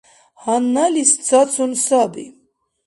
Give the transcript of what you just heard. Гьанналис цацун саби.